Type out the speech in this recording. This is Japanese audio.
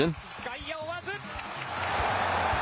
外野、追わず。